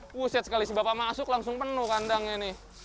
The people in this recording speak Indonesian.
wuh syet sekali si bapak masuk langsung penuh kandangnya nih